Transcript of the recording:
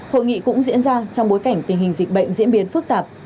hội nghị cũng diễn ra trong bối cảnh tình hình dịch bệnh diễn biến phức tạp